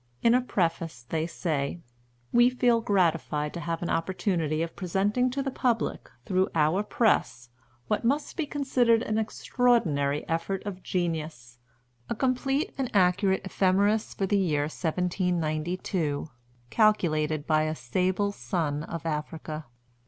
In a Preface, they say: "We feel gratified to have an opportunity of presenting to the public, through our press, what must be considered an extraordinary effort of genius, a complete and accurate Ephemeris for the year 1792, calculated by a sable son of Africa.